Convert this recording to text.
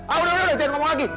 ah udah udah jangan ngomong lagi